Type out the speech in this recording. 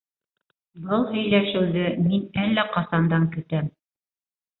- Был һөйләшеүҙе мин әллә ҡасандан көтәм.